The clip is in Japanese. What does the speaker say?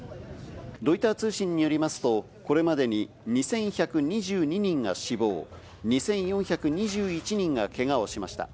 ロイター通信によりますと、これまでに２１２２人が死亡、２４２１人がけがをしました。